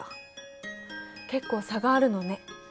結構差があるのね。